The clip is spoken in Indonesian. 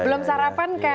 belum sarapan kan